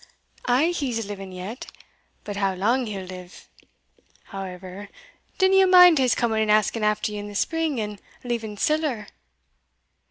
"Ay, he's living yet; but how lang he'll live however, dinna ye mind his coming and asking after you in the spring, and leaving siller?"